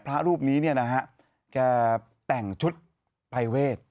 พระรูปนี้เนี่ยนะฮะแกแต่งชุดปรายเวท